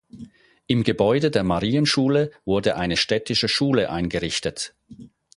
Im Gebäude der Marienschule wurde eine städtische Schule eingerichtet.